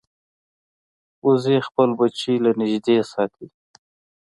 وزې خپل بچي له نږدې ساتي